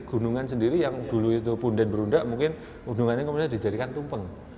gunungan sendiri yang dulu itu punden berunda mungkin gunungannya kemudian dijadikan tumpeng